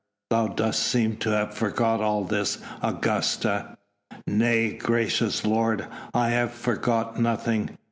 Thou dost seem to have forgot all this, Augusta." "Nay, gracious lord, I have forgot nothing!